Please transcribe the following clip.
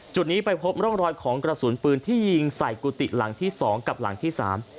จุดนี้ไปพบร่องรอยของกระสุนปืนที่ยิงใส่กุฏิหลังที่สองกับหลังที่สาม